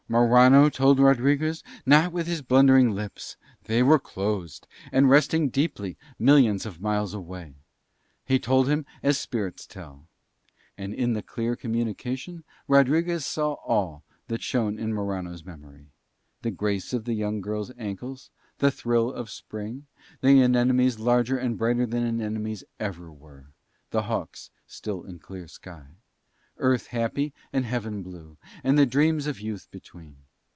Morano told Rodriguez not with his blundering lips: they were closed and resting deeply millions of miles away: he told him as spirits tell. And in that clear communication Rodriguez saw all that shone in Morano's memory, the grace of the young girl's ankles, the thrill of Spring, the anemones larger and brighter than anemones ever were, the hawks still in clear sky; earth happy and heaven blue, and the dreams of youth between.